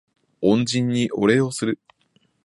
恩人にお礼をする